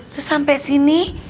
terus sampai sini